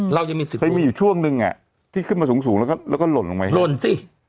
เราไม่ได้ซื้อตอน๒๐๐๐๐กว่าไง